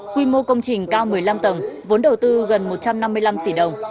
quy mô công trình cao một mươi năm tầng vốn đầu tư gần một trăm năm mươi năm tỷ đồng